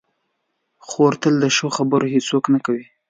خور تل د ښو خبرو هڅونه کوي.